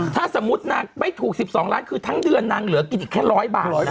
ถ้าสมมุตินางไม่ถูก๑๒ล้านคือทั้งเดือนนางเหลือกินอีกแค่๑๐๐บาท